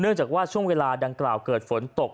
จากว่าช่วงเวลาดังกล่าวเกิดฝนตก